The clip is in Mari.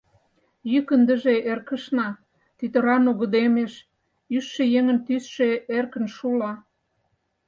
Йӱк ындыже эркышна, тӱтыра нугыдемеш, ӱжшӧ еҥын тӱсшӧ эркын шула.